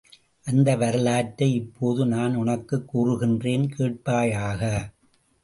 அந்த வரலாற்றை இப்போது நான் உனக்குக் கூறுகின்றேன் கேட்பாயாக!